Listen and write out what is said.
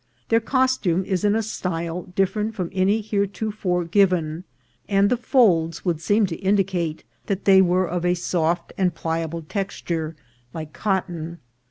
Their costume is in a style different from any heretofore given, and the folds would seem to indicate that they were of a soft and pliable texture, like cotton.